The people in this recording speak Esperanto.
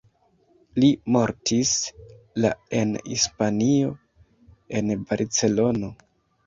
Li mortis la en Hispanio en Barcelono.